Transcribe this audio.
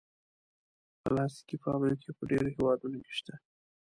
پلاستيکي فابریکې په ډېرو هېوادونو کې شته.